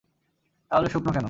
তাহলে শুকনো কেন?